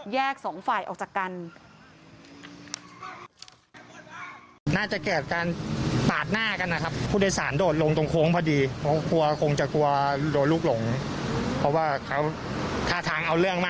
สองฝ่ายออกจากกัน